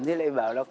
thì lại bảo hiểm